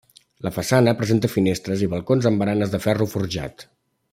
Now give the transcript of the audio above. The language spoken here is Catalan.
La façana presenta finestres i balcons amb baranes de ferro forjat.